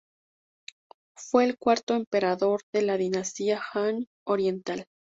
Fue el cuarto emperador de la dinastía Han Oriental.